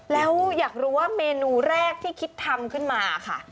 แล้วอยากรู้ว่าเมนูแรกที่คิดทำขึ้นมาค่ะ